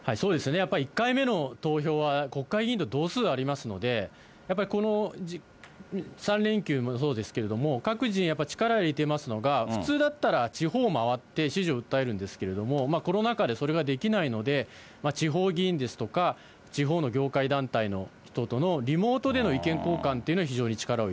やっぱり１回目の投票は国会議員と同数ありますので、やっぱりこの３連休もそうですけれども、各陣営、やっぱり力を入れていますのが、普通だったら地方回って支持を訴えるんですけれども、コロナ禍でそれができないので、地方議員ですとか、地方の業界団体の人とのリモートでの意見交換というのを非常に力